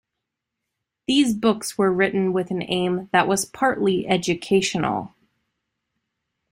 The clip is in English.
These books were written with an aim that was partly educational.